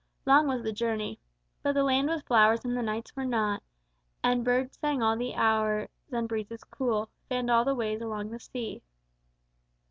Long was the journey, But the land was flowers and the nights were not, And birds sang all the hours, and breezes cool Fanned all the ways along the sea.